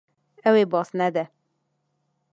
Ew ê baz nede.